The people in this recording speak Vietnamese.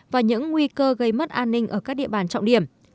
và những nguy cơ gây mất an ninh ở các địa bàn trọng điểm